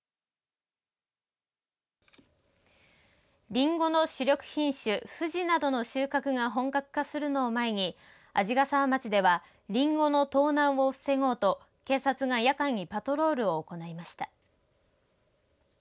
りんごの主力品種ふじなどの収穫が本格化するのを前に鰺ヶ沢町ではりんごの盗難を防ごうと警察が夜間にパトロールを行いました。